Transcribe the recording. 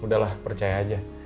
udah lah percaya aja